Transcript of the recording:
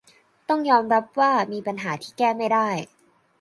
ต้องยอมรับว่ามีปัญหาที่แก้ไม่ได้